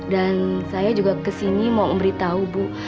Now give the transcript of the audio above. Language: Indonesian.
dan saya juga ke sini mau memberitahu bu